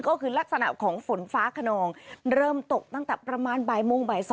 ก็คือลักษณะของฝนฟ้าขนองเริ่มตกตั้งแต่ประมาณบ่ายโมงบ่าย๒